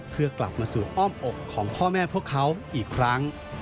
เพื่อกลับมาสู่อ้อมอกของพ่อแม่พวกเขาอีกครั้ง